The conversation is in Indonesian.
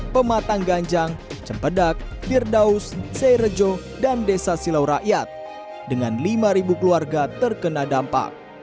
pematang ganjang cempedak birdaus zerejo dan desa silaurakyat dengan lima ribu keluarga terkena dampak